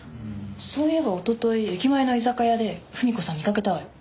そういえばおととい駅前の居酒屋で文子さん見かけたわよ。